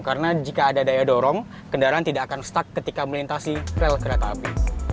karena jika ada daya dorong kendaraan tidak akan stuck ketika melintasi rel kereta api